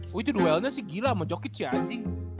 oh itu duelnya sih gila sama jokic ya anjing